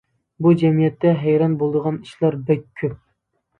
بۇ جەمئىيەتتە ھەيران بولىدىغان ئىشلار بەك كۆپ.